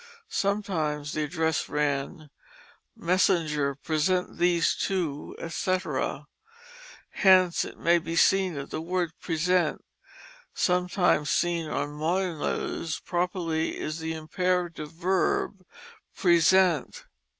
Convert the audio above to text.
Sometimes the address ran, "Messenger present these to, etc." Hence it may be seen that the word "Present" sometimes seen on modern letters properly is the imperative verb Present.